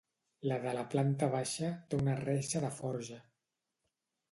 La de la planta baixa té una reixa de forja.